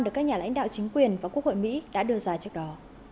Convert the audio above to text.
được các nhà lãnh đạo chính quyền và quốc hội mỹ đã đưa ra trước đó